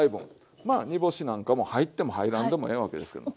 まあ煮干しなんかも入っても入らんでもええわけですけども。